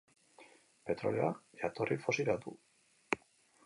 Petrolioak jatorri fosila du.